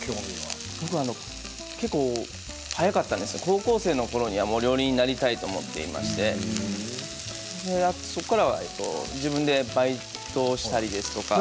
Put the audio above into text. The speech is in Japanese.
高校生のころにはもう料理人になりたいと思っていましてそこからは自分でバイトをしたりですとか。